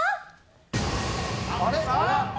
あれ？